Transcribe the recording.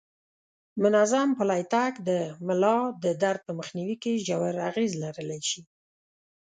منظم پلی تګ د ملا د درد په مخنیوي کې ژور اغیز لرلی شي.